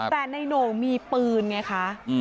แต่ในโหน่งมีปืนไงคะ